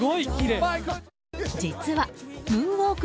実はムーンウォーク